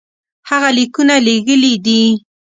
هغه لیکونه لېږلي دي.